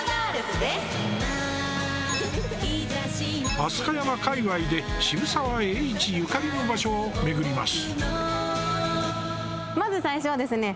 飛鳥山界わいで渋沢栄一ゆかりの場所を巡ります。